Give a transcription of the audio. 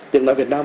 tiếng nói việt nam